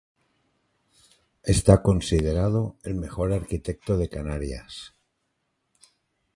Está considerado el mejor arquitecto de Canarias.